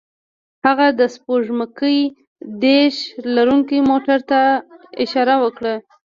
هغه د سپوږمکۍ ډیش لرونکي موټر ته اشاره وکړه